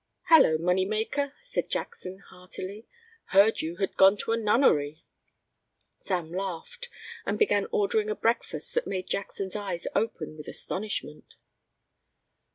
"Hello, Moneymaker," said Jackson, heartily. "Heard you had gone to a nunnery." Sam laughed and began ordering a breakfast that made Jackson's eyes open with astonishment.